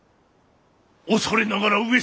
恐れながら上様。